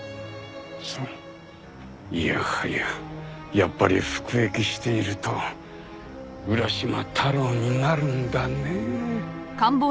そういやはややっぱり服役していると浦島太郎になるんだねえ。